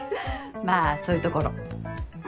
まあそういうところ。